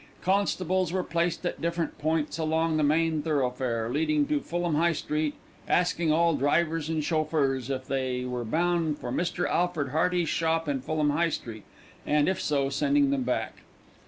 Constables were placed at different points along the main thoroughfare leading to Fulham High Street, asking all drivers and chauffeurs if they were bound for Mr. Alfred Hearty's shop in Fulham High Street, and if so sending them back.